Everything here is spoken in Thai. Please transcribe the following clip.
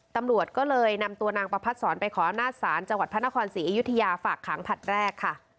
ตำรวจก็เลยนำตัวนางประพัดศรไปขออำนาจศาลจังหวัดพระนครศรีอยุธยาฝากขังผลัดแรกค่ะ